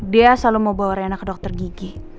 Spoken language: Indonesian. dia selalu mau bawa reina ke dokter gigi